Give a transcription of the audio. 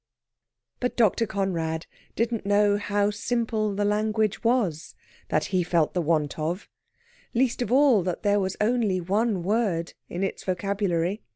But Dr. Conrad didn't know how simple the language was that he felt the want of least of all, that there was only one word in its vocabulary.